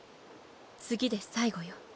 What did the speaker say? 次で最後よ。